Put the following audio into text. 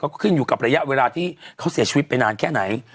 ก็ขึ้นอยู่กับระยะเวลาที่เขาเสียชีวิตไปนานแค่ไหน